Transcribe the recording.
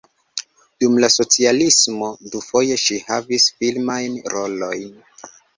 Dum la socialismo dufoje ŝi havis filmajn rolojn.